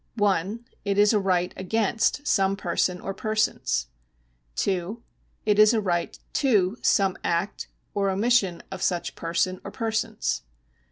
186 LEGAL RIGHTS [§73 ( 1 ) It is a right against some person or persons. (2) It is a right to some act or omission of such person or persons.